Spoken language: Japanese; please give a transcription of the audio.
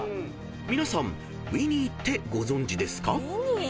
［皆さんＷｉｎｎｙってご存じですか？］